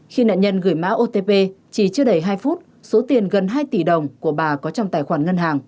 khi nạn nhân gửi mã otp chỉ chưa đầy hai phút số tiền gần hai tỷ đồng của bà có trong tài khoản ngân hàng